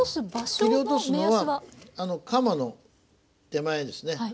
切り落とすのはカマの手前ですね